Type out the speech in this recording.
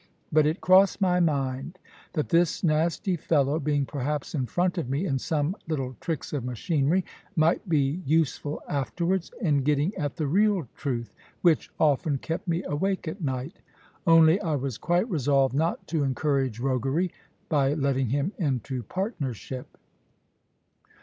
But it crossed my mind that this nasty fellow, being perhaps in front of me in some little tricks of machinery, might be useful afterwards in getting at the real truth, which often kept me awake at night. Only I was quite resolved not to encourage roguery, by letting him into partnership.